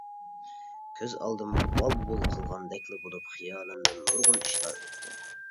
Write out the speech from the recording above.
كۆز ئالدىم ۋال-ۋۇل قىلغاندەكلا بولۇپ خىيالىمدىن نۇرغۇن ئىشلار ئۆتتى.